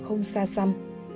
không xa xăm